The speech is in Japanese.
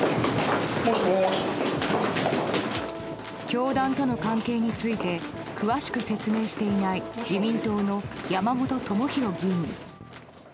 教団との関係について詳しく説明していない自民党の山本朋広議員。